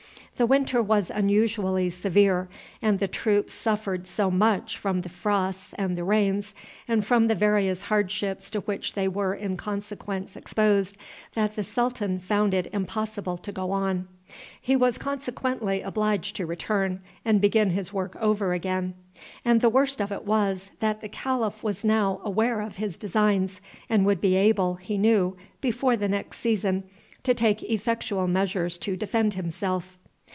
The winter was unusually severe, and the troops suffered so much from the frosts and the rains, and from the various hardships to which they were in consequence exposed, that the sultan found it impossible to go on. He was consequently obliged to return, and begin his work over again. And the worst of it was, that the calif was now aware of his designs, and would be able, he knew, before the next season, to take effectual measures to defend himself.